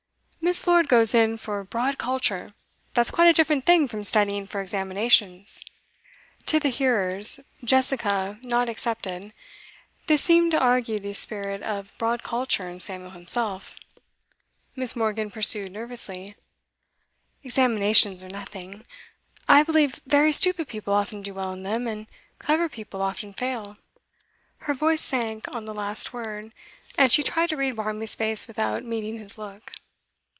'Miss Lord goes in for broad culture; that's quite a different thing from studying for examinations.' To the hearers, Jessica not excepted, this seemed to argue the spirit of broad culture in Samuel himself. Miss. Morgan pursued nervously: 'Examinations are nothing. I believe very stupid people often do well in them, and clever people often fail.' Her voice sank on the last word, and she tried to read Barmby's face without meeting his look.